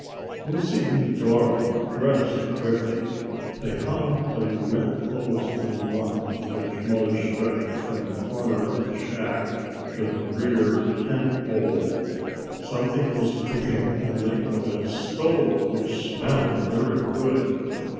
Lucy and Dora dressed quickly. They hung their wet clothes on a line which Mother stretched from the corner of the shack to the rear tent pole. Something was cooking on the oil stove which smelled very good.